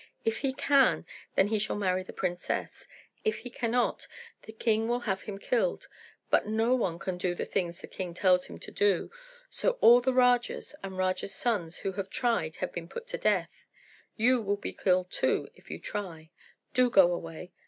If he can, then he shall marry the princess; if he cannot, the king will have him killed. But no one can do the things the king tells him to do; so all the Rajas and Rajas' sons who have tried have been put to death. You will be killed too, if you try. Do go away."